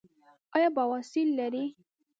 ایا بواسیر لرئ؟